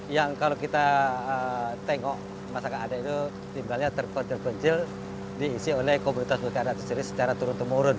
yang kalau kita tengok masyarakat adat itu sebenarnya terpencil pencil diisi oleh komunitas budaya adat sendiri secara turun ke murun